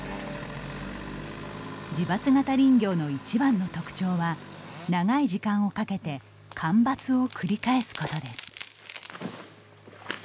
自伐型林業のいちばんの特徴は長い時間をかけて間伐を繰り返すことです。